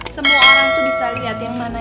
semua orang tuh bisa lihat yang mana yang